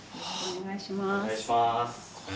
お願いします。